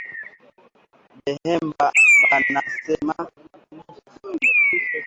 Bahemba banasemaka nguvu sana ku simu